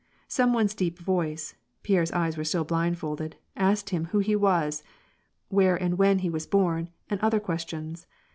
Some one's deep voice — Pierre's eyes were still blindfolded — asked him who he was, where and when he was born, and other questions.